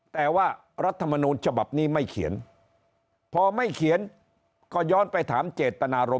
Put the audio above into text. แต่ว่ารัฐมนูลฉบับนี้ไม่เขียนพอไม่เขียนก็ย้อนไปถามเจตนารมณ